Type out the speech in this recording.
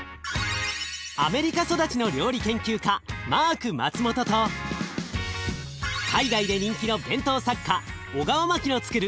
アメリカ育ちの料理研究家マーク・マツモトと海外で人気の弁当作家小川真樹のつくる